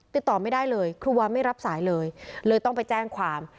ติดต่อไม่ได้เลยครูวาไม่รับสายเลยเลยต้องไปแจ้งความ